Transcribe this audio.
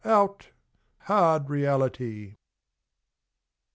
Out ! hard Reality !